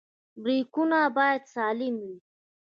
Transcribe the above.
برېکونه باید سالم وي.